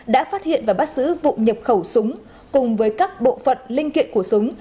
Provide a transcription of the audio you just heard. đã phát hiện và bắt giữ vụ nhập khẩu súng cùng với các bộ phận linh kiện của súng